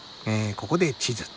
ここで地図。